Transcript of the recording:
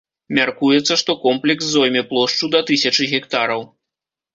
Мяркуецца, што комплекс зойме плошчу да тысячы гектараў.